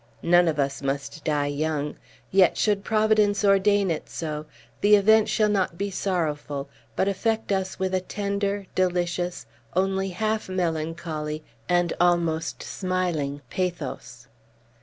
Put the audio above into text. None of us must die young. Yet, should Providence ordain it so, the event shall not be sorrowful, but affect us with a tender, delicious, only half melancholy, and almost smiling pathos!"